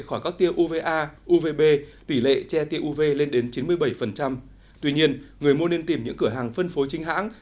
khỏi các tiêu uva uvb tỷ lệ che tiêu uv lên đến chín mươi bảy tuy nhiên người mua nên tìm những cửa hàng phân phối chính hãng